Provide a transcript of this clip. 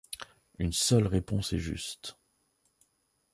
Une seule réponse est juste.